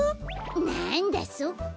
なんだそっか。